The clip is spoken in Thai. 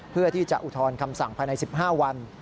เพื่อที่จะอุทธรณคำสั่งภายใน๑๕วัน